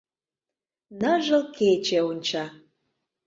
Ныжыл кече онча